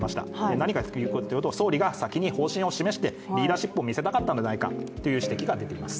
何かというと、総理が先に方針を示してリーダーシップを見せたかったんじゃないかという指摘が出ています。